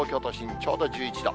ちょうど１１度。